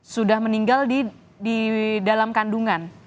sudah meninggal di dalam kandungan